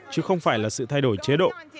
chứ không phải là sự thay đổi chế độ